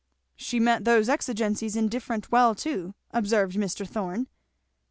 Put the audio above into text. "She met those exigencies indifferent well too," observed Mr. Thorn.